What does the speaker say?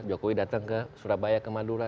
jokowi datang ke surabaya ke madura